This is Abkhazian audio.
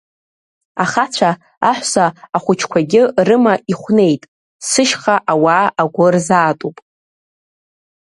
Ахацәа, аҳәса ахәыҷқәагь рыма ихәнеит, сышьха ауаа агәы рзаатуп.